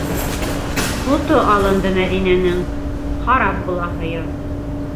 Ҡото алынды Мәҙинәнең: харап була һыйыр.